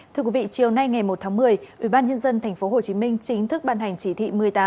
thưa quý vị chiều nay ngày một tháng một mươi ubnd tp hcm chính thức ban hành chỉ thị một mươi tám